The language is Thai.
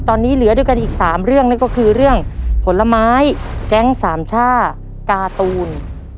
ตอนนี้เหลือด้วยกันอีก๓เรื่องนั่นก็คือเรื่องผลไม้แก๊งสามช่าการ์ตูน